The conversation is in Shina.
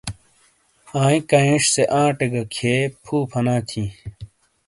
آئیں کانئیش آٹے گہ کھیئے فُو فنا تھِیں۔